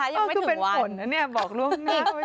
อ้าวคือเป็นคนนะเนี่ยบอกลูกน้อย